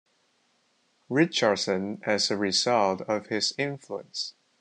Richardson as a result of his influence.